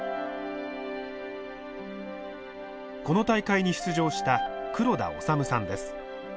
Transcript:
この大会に出場した黒田脩さんです。